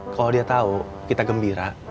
kalau dia tahu kita gembira